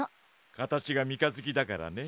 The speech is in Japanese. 形が三日月だからね。